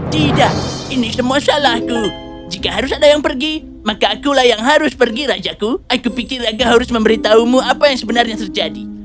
tidak ini semua salahku jika harus ada yang pergi maka akulah yang harus pergi rajaku aku pikir raja harus memberitahumu apa yang sebenarnya terjadi